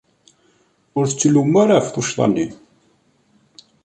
Ur t-ttlummu ara ɣef tuccḍa-nni.